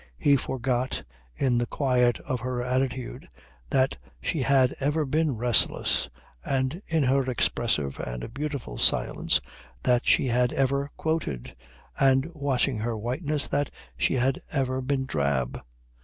He forgot, in the quiet of her attitude, that she had ever been restless, and in her expressive and beautiful silence that she had ever quoted, and, watching her whiteness, that she had ever been drab.